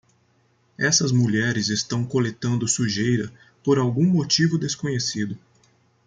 Essas mulheres estão coletando sujeira por algum motivo desconhecido.